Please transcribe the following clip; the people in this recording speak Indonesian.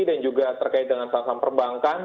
dan juga terkait dengan saham saham perbankan